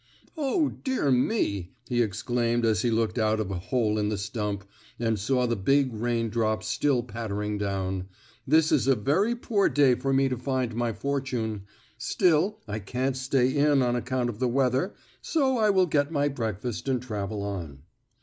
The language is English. "Oh, dear me!" he exclaimed as he looked out of a hole in the stump, and saw the big rain drops still pattering down, "this is a very poor day for me to find my fortune. Still, I can't stay in on account of the weather, so I will get my breakfast and travel on."